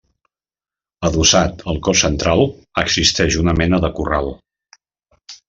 Adossat al cos central, existeix una mena de corral.